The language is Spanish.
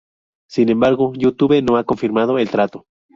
Sin embargo, YouTube no ha confirmado el trato.